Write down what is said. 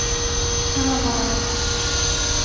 吃了吗